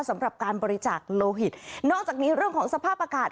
สำหรับการบริจาคโลหิตนอกจากนี้เรื่องของสภาพอากาศ